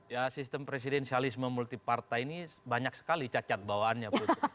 ya sistem presidensialisme multi partai ini banyak sekali cacat bawaannya